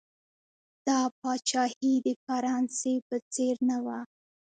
دا پاچاهي د فرانسې په څېر نه وه.